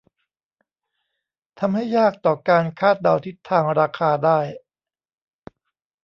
ทำให้ยากต่อการคาดเดาทิศทางราคาได้